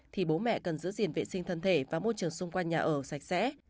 thì bố mẹ cần giữ gìn vệ sinh thân thể và môi trường xung quanh nhà ở sạch sẽ